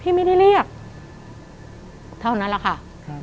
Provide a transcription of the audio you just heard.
ไม่ได้เรียกเท่านั้นแหละค่ะครับ